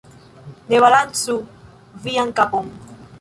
Ne balancu vian kapon.